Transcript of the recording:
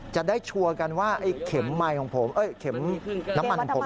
จะได้ความกันว่าเข็มไหมของผม